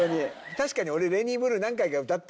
確かに俺。